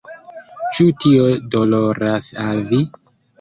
Ĉu tio doloras al vi?